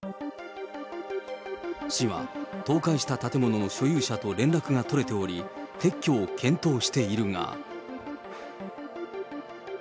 市は倒壊した建物の所有者と連絡が取れており、撤去を検討しているが。